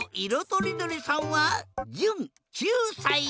とりどりさんはじゅん９さい。